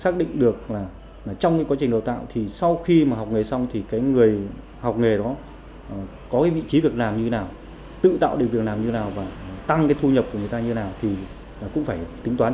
tăng thu nhập của người ta như thế nào thì cũng phải tính toán